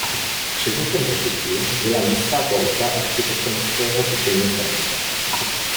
Předmětem kritiky byla nízká kvalita architektonického řešení stanice.